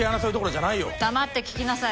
黙って聞きなさい。